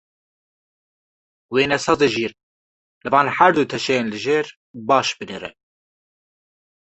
Wênesazê jîr, li van her du teşeyên li jêr baş binêre.